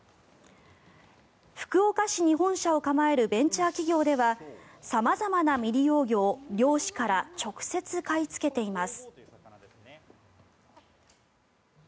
福岡市に本社を構えるベンチャー企業では様々な未利用魚を漁師から直接買いつけています。